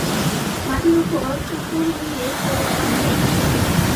মাটির উপর উপুড় হয়ে পড়ে কাঁদতে লাগলুম।